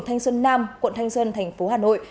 thanh xuân nam quận thanh xuân thành phố hà nội